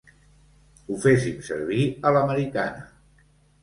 Ho féssim servir a l'americana.